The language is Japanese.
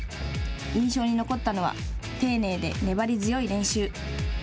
印象に残ったのは丁寧で粘り強い練習。